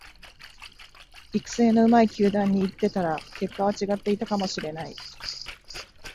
育成の上手い球団に行ってたら結果は違っていたかもしれない